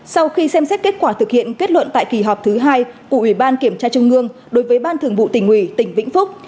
sau khi xem xét kết quả thực hiện kết luận tại kỳ họp thứ hai của ủy ban kiểm tra trung ương đối với ban thường vụ tỉnh ủy tỉnh vĩnh phúc